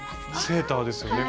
セーターですよね。